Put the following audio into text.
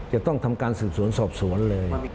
จะต้องทำการสืบสวนสอบสวนเลย